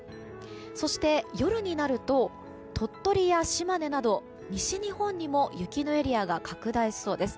そして夜になると鳥取や島根など西日本にも雪のエリアが拡大しそうです。